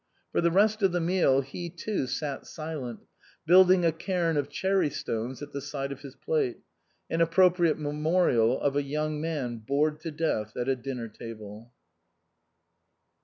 For the rest of the meal he too sat silent, building a cairn of cherry stones at the side of his plate ; an appropriate memorial of a young man bored to death at a dinner table.